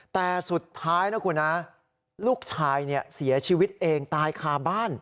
แต่สุดท้ายนะคุณนะลูกชายเสียชีวิตเองตายคาบ้าน